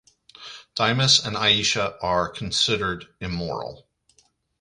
Dimas and Aisyah are considered immoral.